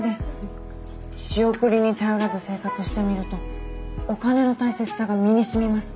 仕送りに頼らず生活してみるとお金の大切さが身にしみます。